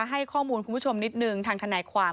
ให้ข้อมูลคุณผู้ชมนิดนึงทางทนายความ